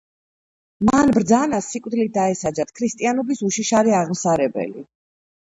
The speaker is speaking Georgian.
მან ბრძანა, სიკვდილით დაესაჯათ ქრისტიანობის უშიშარი აღმსარებელი.